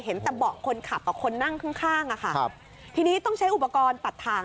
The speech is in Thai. เห็นแต่เหล่าเบาะคนขับกับคนนั่งข้างทีนี้ต้องใช้อุปกรณ์ตัดทาง